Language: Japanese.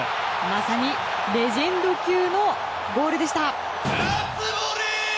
まさにレジェンド級のゴールでした。